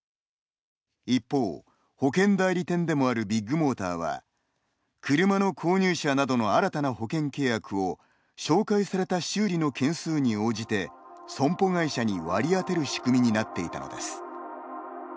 一方、保険代理店でもあるビッグモーターは車の購入者などの新たな保険契約を紹介された修理の件数に応じて損保会社に割り当てる仕組みになっていたのです。